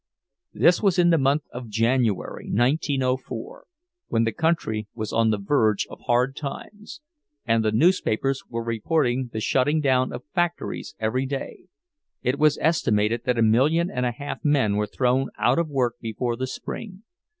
This was in the month of January, 1904, when the country was on the verge of "hard times," and the newspapers were reporting the shutting down of factories every day—it was estimated that a million and a half men were thrown out of work before the spring.